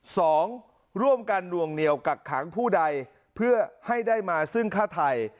สองร่วมกันหน่วงเหนียวกักขังผู้ใดเพื่อให้ได้มาซึ่งฆ่าไทย